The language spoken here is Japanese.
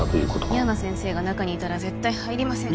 深山先生が中にいたら絶対入りません